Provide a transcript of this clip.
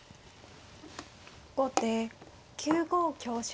後手９五香車。